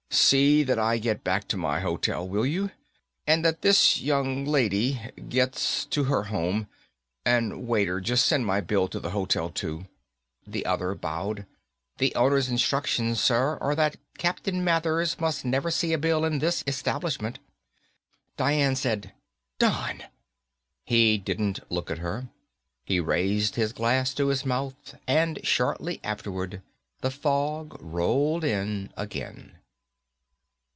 See that I get back to my hotel, will you? And that this young lady gets to her home. And, waiter, just send my bill to the hotel too." The other bowed. "The owner's instructions, sir, are that Captain Mathers must never see a bill in this establishment." Dian said, "Don!" He didn't look at her. He raised his glass to his mouth and shortly afterward the fog rolled in again.